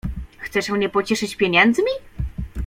Chcesz mnie pocieszyć pieniędzmi?